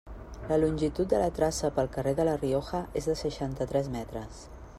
La longitud de la traça pel carrer de La Rioja és de seixanta-tres metres.